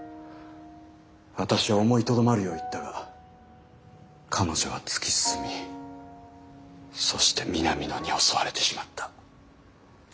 私は思いとどまるよう言ったが彼女は突き進みそして南野に襲われてしまった。